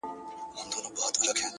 د ژوند كولو د ريښتني انځور ـ